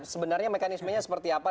sebenarnya mekanismenya seperti apa